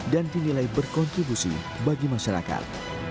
dan dinilai berkontribusi bagi masyarakat